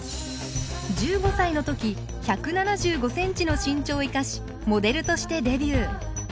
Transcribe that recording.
１５歳の時１７５センチの身長を生かしモデルとしてデビュー。